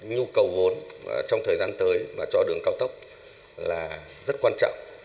nhu cầu vốn trong thời gian tới và cho đường cao tốc là rất quan trọng